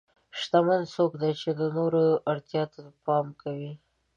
شتمن څوک دی چې د نورو اړتیا ته پام کوي.